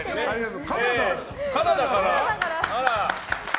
カナダから。